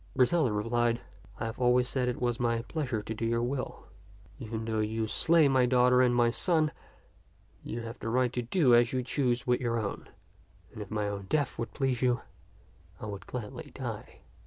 Griselda replied, " I have always said it was my pleasure to do your will. Even though you slay my daughter and my son, you have the right to do as you choose with your own ; and if my own death would please you, I would gladly die."